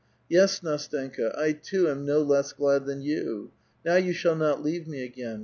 *' Yes, Kdstenka, I too am no less glad than you ; now you shall not leave me again.